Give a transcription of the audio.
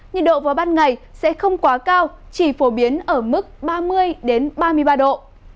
nhiệt độ vào ban ngày sẽ không quá cao chỉ phổ biến ở mức ba mươi ba mươi ba độ